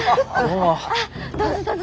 あっどうぞどうぞ。